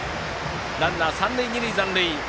ランナー、三塁二塁に残塁。